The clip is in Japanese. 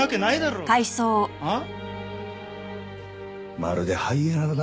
まるでハイエナだな。